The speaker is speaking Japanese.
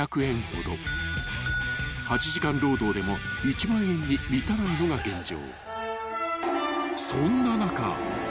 ［８時間労働でも１万円に満たないのが現状］